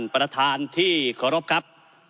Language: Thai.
ท่านประทานที่ขอโทษครับ